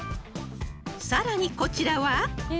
［さらにこちらは］